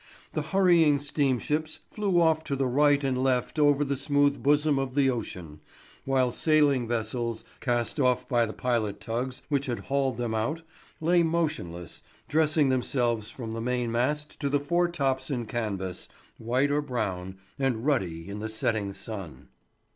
The hurrying steamships flew off to the right and left over the smooth bosom of the ocean, while sailing vessels, cast off by the pilot tugs which had hauled them out, lay motionless, dressing themselves from the main mast to the fore tops in canvas, white or brown, and ruddy in the setting sun.